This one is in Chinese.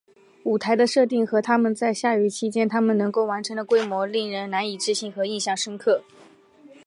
舞台的设定和他们在下雨期间他们能够完成的规模令人难以置信和印象深刻。